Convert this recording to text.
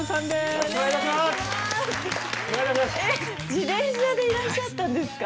自転車でいらっしゃったんですか？